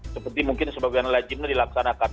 seperti mungkin sebagian lajimnya dilaksanakan